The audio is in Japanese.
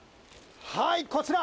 はいこちら。